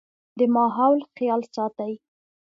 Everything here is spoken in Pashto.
د ماحول خيال ساتئ